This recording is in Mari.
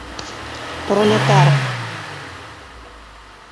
Пролетар